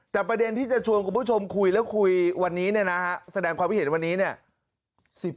แต่ประเด็นที่จะชวนคุณผู้ชมคุยแล้วคุยวันนี้เนี่ยนะฮะแสดงความคิดเห็นวันนี้เนี่ย